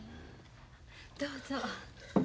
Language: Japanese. どうぞ。